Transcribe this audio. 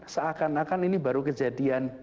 seakan akan ini baru kejadian